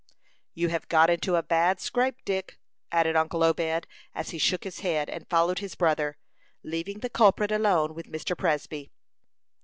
"You have got into a bad scrape, Dick," added uncle Obed, as he shook his head, and followed his brother, leaving the culprit alone with Mr. Presby.